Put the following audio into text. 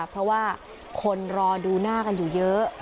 เพราะว่าคนรอดูหน้ากันอยู่เยอะ